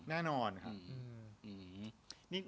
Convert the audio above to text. แน่นอนค่ะ